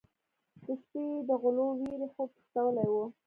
د شپې د غلو وېرې خوب تښتولی و.